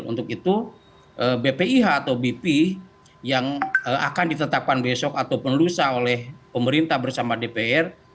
untuk itu bpih atau bp yang akan ditetapkan besok ataupun lusa oleh pemerintah bersama dpr